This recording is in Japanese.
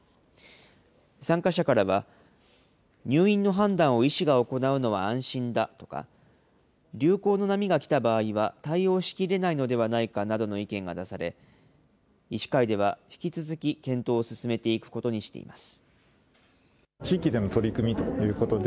参加者からは、入院の判断を医師が行うのは安心だとか、流行の波が来た場合は、対応しきれないのではないかなどの意見が出され、医師会では、引き続き検討を進めていくことにしています。